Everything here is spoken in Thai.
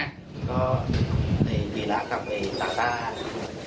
ก็อย่างไงนี่